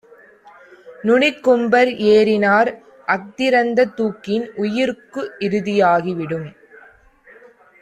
நுனிக்கொம்பர் ஏறினார். அஃதிறந் தூக்கின், உயிர்க்கு இறுதியாகிவிடும்.